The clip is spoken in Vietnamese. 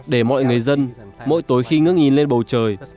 để mọi người dân mỗi tối khi ngước nhìn lên bầu trời